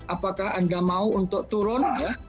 apakah anda mau untuk turun